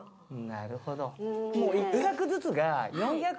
なるほど。